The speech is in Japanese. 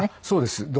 そうです。